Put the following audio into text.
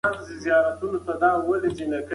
درملنه د ذهن له پوهې پيلېږي.